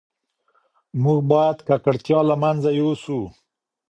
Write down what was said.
موږ باید ککړتیا له منځه یوسو.